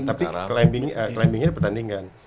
tapi climbingnya di pertandingan